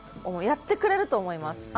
やってくれると思います。